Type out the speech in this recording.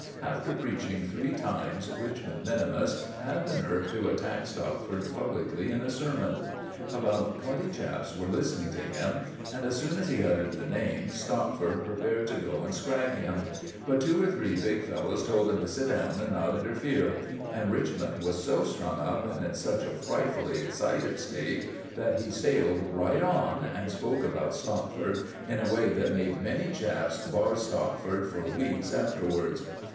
After preaching three times Richmond minimus had the nerve to attack Stopford publicly in a sermon! About twenty chaps were listening to him, and as soon as he uttered the name, Stopford prepared to go and scrag him; but two or three big fellows told him to sit down and not interfere, and Richmond was so strung up and in such a frightfully excited state that he sailed right on and spoke about Stopford in a way that made many chaps bar Stopford for weeks afterwards.